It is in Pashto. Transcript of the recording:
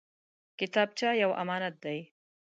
کتابچه یو امانت دی